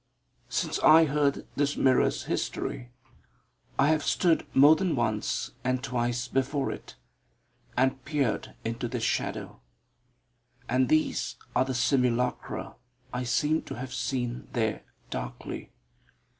Since I heard this mirror's history, I have stood more than once and twice before it, and peered into this shadow. And these are the simulacra I seem to have seen there darkly.